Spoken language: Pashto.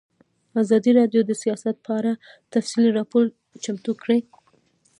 ازادي راډیو د سیاست په اړه تفصیلي راپور چمتو کړی.